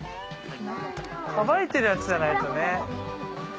乾いてるやつじゃないとね。